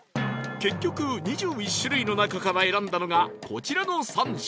結局２１種類の中から選んだのがこちらの３品